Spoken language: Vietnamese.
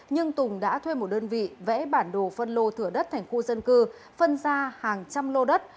nhưng tùng đã thuê một đơn vị vẽ bản đồ phân lô thửa đất thành khu dân cư phân ra hàng trăm lô đất